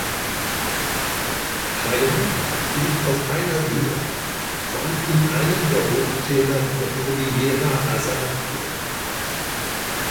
Chayanta liegt auf einer Höhe von in einem der Hochtäler der Cordillera Azanaques.